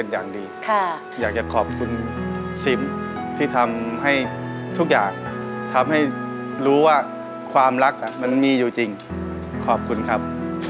อย่างดีอยากจะขอบคุณซิมที่ทำให้ทุกอย่างทำให้รู้ว่าความรักมันมีอยู่จริงขอบคุณครับ